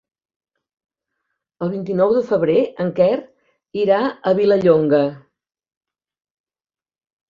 El vint-i-nou de febrer en Quer irà a Vilallonga.